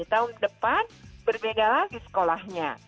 tahun depan berbeda lagi sekolahnya